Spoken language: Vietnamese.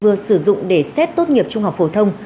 vừa sử dụng để xét tốt nghiệp trung học phổ thông